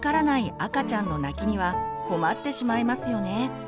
赤ちゃんの泣きには困ってしまいますよね。